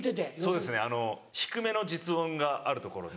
そうですね低めの実音があるところに。